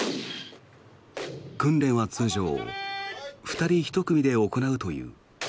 訓練は通常、２人１組で行うという。